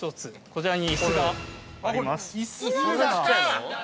こちらに椅子があります。